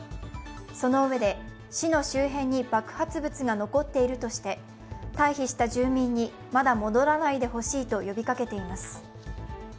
そのうえで、市の周辺に爆発物が残っているとして、退避した住民にまだ戻らないでほしいと呼びかけています。